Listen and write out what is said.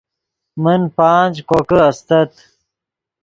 من پانچ کوکے استت